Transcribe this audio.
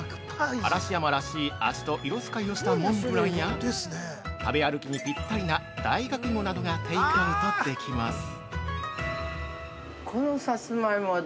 嵐山らしい味と色使いをしたモンブランや食べ歩きにぴったりな大学芋などがテイクアウトできます。